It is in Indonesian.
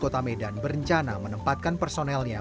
kota medan berencana menempatkan personelnya